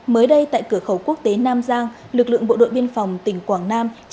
mới đây tại cửa khẩu quốc tế nam giang lực lượng bộ đội biên phòng tỉnh quảng nam